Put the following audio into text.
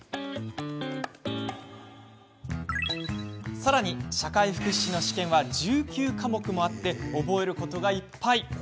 さらに社会福祉士の試験は１９科目もあって覚えることがいっぱい。